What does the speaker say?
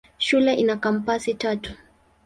Shule ina kampasi tatu.